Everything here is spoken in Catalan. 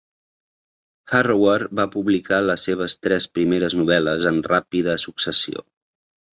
Harrower va publicar les seves tres primeres novel·les en ràpida successió.